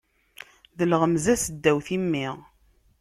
D lɣemza seddaw timmi.